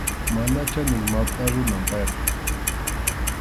Mana chanin mapʼa runam payqa.